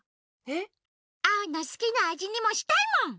えっ？アオのすきなあじにもしたいもん！